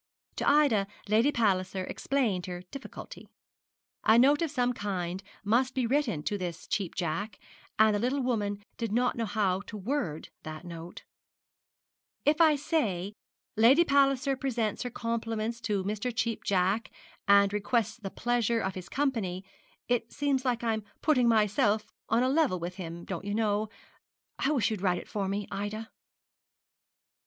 To Ida, Lady Palliser explained her difficulty. A note of some kind must be written to this Cheap Jack; and the little woman did not know how to word that note. 'If I say, "Lady Palliser presents her compliments to Mr. Cheap Jack, and requests the pleasure of his company," it seems like patting myself on a level with him, don't you know. I wish you'd write for me, Ida.'